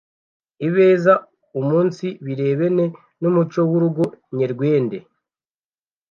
ibeze umunsi birebene n’umuco w’urugo nyerwende